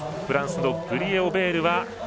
フランスのグリエオベール